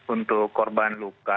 untuk korban luka